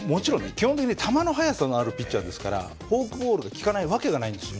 基本的に球の速さのあるピッチャーですからフォークボールが効かない訳がないんですよ。